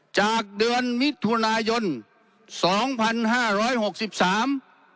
จากเดือนมิถุนายนสองพันห้าร้อยหกสิบสาม